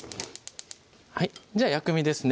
じゃあ薬味ですね